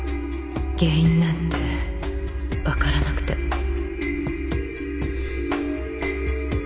原因なんて分からなくても